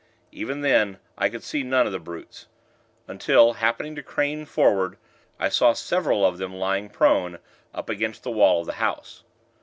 Even then, I could see none of the brutes; until, happening to crane forward, I saw several of them lying prone, up against the wall of the house.